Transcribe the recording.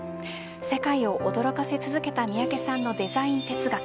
世界を驚かせ続けた三宅さんのデザイン哲学。